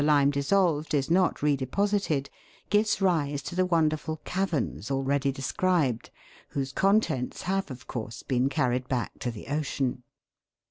lime dissolved is not re deposited, gives rise to the wonderful caverns already described, whose contents have of course been carried back to the ocean.